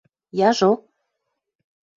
– Яжо?